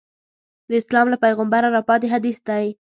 د اسلام له پیغمبره راپاتې حدیث دی.